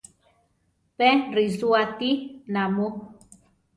¿Pé risoáti namu?